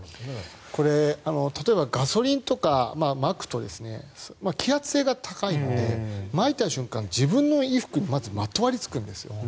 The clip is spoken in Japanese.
これ、例えばガソリンをまくと揮発性が高いのでまいた瞬間、自分の衣服にまずまとわりつくんですよ。